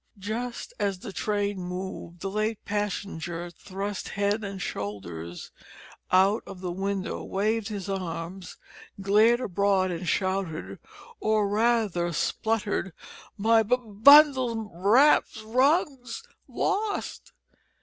Just as the train moved, the late passenger thrust head and shoulders out of the window, waved his arms, glared abroad, and shouted, or rather spluttered "My b b bundle! wraps! rug! lost!"